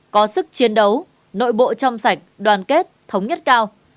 có sức chiến đấu nội bộ trong sạch đoàn kết thống nhất cao